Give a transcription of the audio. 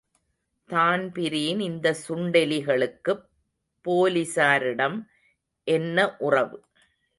Dan Breen இந்த சுண்டெலிகளுக்குப் போலிஸாரிடம் என்ன உறவு?